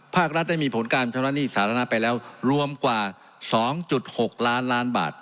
ภาครัฐได้มีผลการชำระหนี้สาธารณะไปแล้วรวมกว่า๒๖ล้านล้านบาท